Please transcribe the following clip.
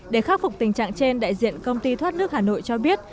để khắc phục tình trạng trên đại diện công ty thoát nước hà nội cho biết